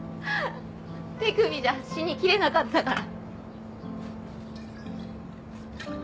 手首じゃ死にきれなかったから。